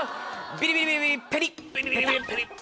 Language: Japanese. ビリビリビリペリッペタッ。